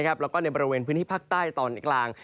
แล้วก็ในบริเวณพื้นที่ภาคใต้ตอนกลาง